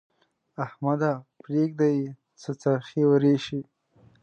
احمده! پرېږده يې؛ څه څرخی ورېشې.